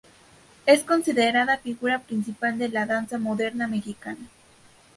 Es considerada figura principal de la danza moderna mexicana.